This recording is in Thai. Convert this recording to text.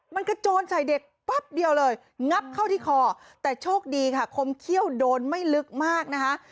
มันกระโจนใส่เด็กปั๊บเดียวเลยงับเข้าที่คอแต่โชคดีค่ะคมเขี้ยวโดนไม่ลึกมากนะคะ